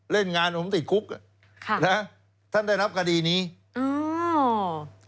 เล่นงานผมติดคุกอ่ะค่ะนะท่านได้รับคดีนี้อ้าว